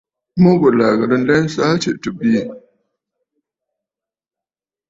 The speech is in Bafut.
Mu ghùlà à ghɨ̀rə nlɛsə gha tɨ bwiì.